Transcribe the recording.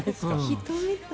人みたい。